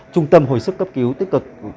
trung tâm hồi sức cấp cứu tích cực